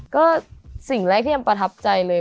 ก็สิ่งแรกที่แอมประทับใจเลย